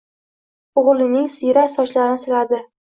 O’g‘lining siyrak sochlarini siladi.